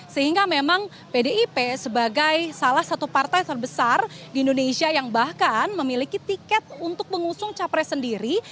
sehingga memang pdip sebagai salah satu partai terbesar di indonesia yang bahkan memiliki tiket untuk mengusung capres sendiri